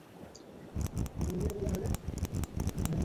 হয় মুসায়লামা পরাজিত হবে, অন্যথায় আল্লাহর সান্নিধ্যে গিয়ে মিলিত হব।